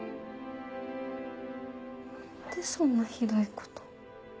何でそんなひどいこと。